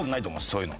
そういうの。